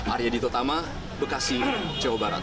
arya dito tama bekasi jawa barat